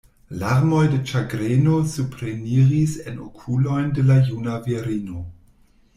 Larmoj de ĉagreno supreniris en okulojn de la juna virino.